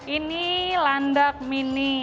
ini landak mini